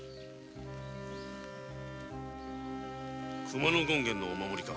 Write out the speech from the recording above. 熊野権現のお守りか！？